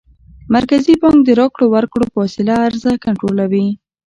مرکزي بانک د راکړو ورکړو په وسیله عرضه کنټرولوي.